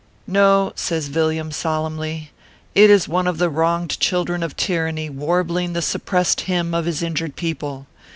"No !" says Villiam, solemnly, "it is one of the wronged children of tyranny warbling the suppressed hymn of his injured people.